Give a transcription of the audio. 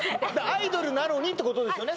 アイドルなのにってことですよね？